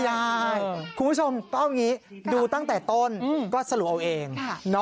คุณผู้ชมก็เอาอย่างนี้ดูตั้งแต่ต้นก็สรุปเอาเอง